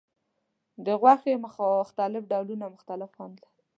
د غوښې مختلف ډولونه مختلف خوند لري.